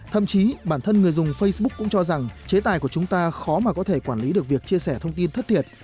thậm chí bản thân người dùng facebook cũng cho rằng chế tài của chúng ta khó mà có thể quản lý được việc chia sẻ thông tin thất thiệt